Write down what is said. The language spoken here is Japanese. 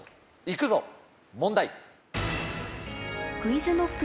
行くぞ問題。